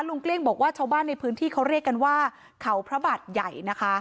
เกลี้ยงบอกว่าชาวบ้านในพื้นที่เขาเรียกกันว่าเขาพระบาทใหญ่นะคะ